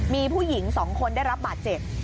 มีผู้หญิงสองคนได้รับบาท๗